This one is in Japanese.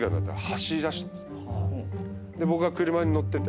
僕は車に乗ってて。